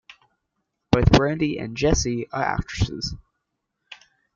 Both Brandy and Jessie are actresses.